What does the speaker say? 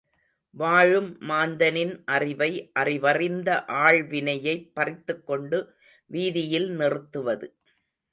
வாழும் மாந்தனின் அறிவை, அறிவறிந்த ஆள்வினையைப் பறித்துக்கொண்டு வீதியில் நிறுத்துவது.